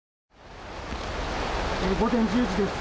午前１０時です。